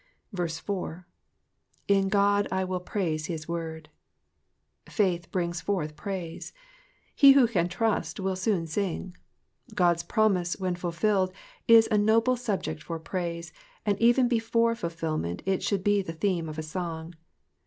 4. *'//i God I will praise his word.'*^ Faith brings forth praise. He who can trust will soon sing. God's promise, when fulfilled, is a noble subject for praise, and even before fulfilment it should be the theme of song.